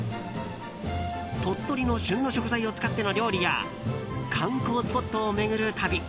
鳥取の旬の食材を使っての料理や観光スポットを巡る旅。